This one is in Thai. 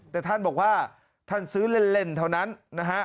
แต่ท่านบอกว่าท่านซื้อเล่นเท่านั้นนะฮะ